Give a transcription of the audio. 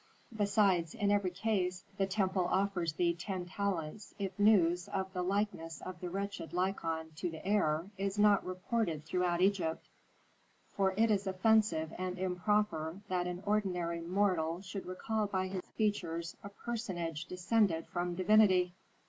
Besides, in every case, the temple offers thee ten talents if news of the likeness of the wretched Lykon to the heir is not reported throughout Egypt; for it is offensive and improper that an ordinary mortal should recall by his features a personage descended from divinity."